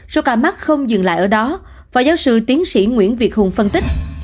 số ca mắc không dừng lại ở đó phó giáo sư tiến sĩ nguyễn việt hùng phân tích